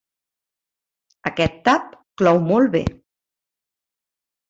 Aquest tap clou molt bé.